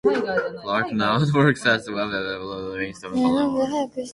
Clarke now works as a web developer for RainStorm Consulting in Orono, Maine.